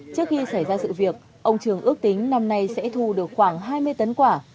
trước khi xảy ra sự việc ông trường ước tính năm nay sẽ thu được khoảng hai mươi tấn quả